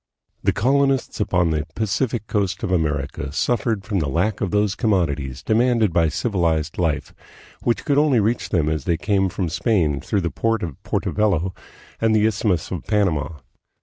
The colonists upon the Pacific coast of America suffered from the lack of those commodities demanded by civilized life, which could only reach them as they came from Spain through the port of Porto Bello and the Isthmus of Panama.